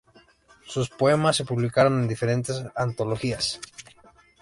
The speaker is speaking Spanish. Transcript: Sus poemas se publicaron en diferentes antologías.